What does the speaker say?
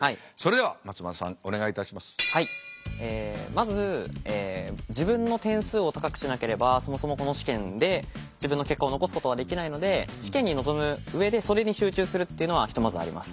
まず自分の点数を高くしなければそもそもこの試験で自分の結果を残すことはできないので試験に臨む上でそれに集中するっていうのはひとまずあります。